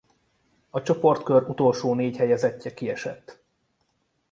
A csoportkör utolsó négy helyezettje kiesett.